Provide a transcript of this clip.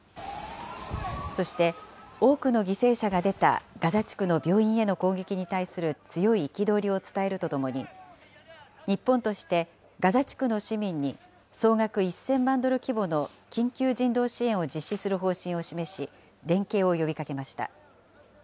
そして、多くの犠牲者が出たガザ地区の病院への攻撃に対する強い憤りを伝えるとともに、日本としてガザ地区の市民に総額１０００万ドル規模の緊急人道支援を実施する方針を示し、連携を呼びかけました。